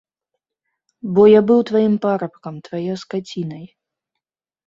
Бо я быў тваім парабкам, тваёй скацінай.